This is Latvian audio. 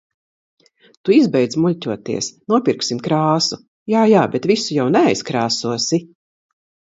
"Tu izbeidz muļķoties, nopirksim krāsu." Jā, jā, bet visu jau neaizkrāsosi.